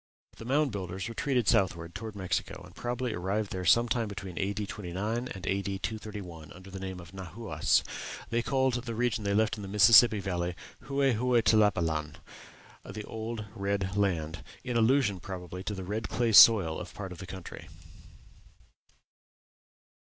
The Mound Builders retreated southward toward Mexico, and probably arrived there some time between A.D. 29 and A.D. 231, under the name of Nahuas. They called the region they left in the Mississippi Valley "Hue Hue Tlapalan" the old, old red land in allusion, probably, to the red clay soil of part of the country.